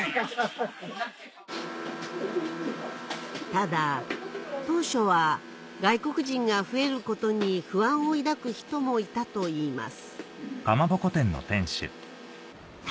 ただ当初は外国人が増えることに不安を抱く人もいたといいます